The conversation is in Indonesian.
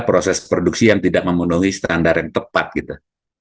proses produksi yang tidak memenuhi standar yang tepat gitu